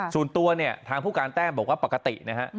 ส่วนตัวเนี่ยทางผู้การแต้มบอกว่าปกตินะฮะ